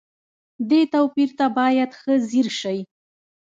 دې توپير ته بايد ښه ځير شئ.